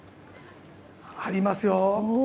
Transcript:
ありますよ。